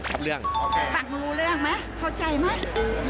สั่งรู้เรื่องไหมเข้าใจไหม